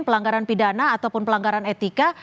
pelanggaran pidana ataupun pelanggaran etika